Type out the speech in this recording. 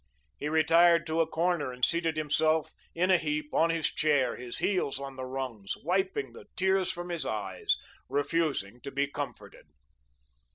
He retired to a corner and seated himself in a heap on his chair, his heels on the rungs, wiping the tears from his eyes, refusing to be comforted.